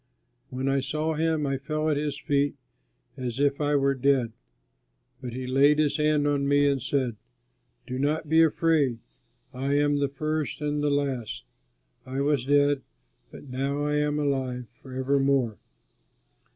When I saw him, I fell at his feet as if I were dead; but he laid his hand on me and said: "Do not be afraid; I am the First and the Last, I was dead but now I am alive for evermore.